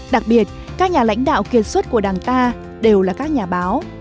đặc biệt các nhà lãnh đạo kiệt xuất của đảng ta đều là các nhà báo